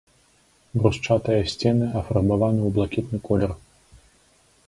Брусчатыя сцены афарбаваны ў блакітны колер.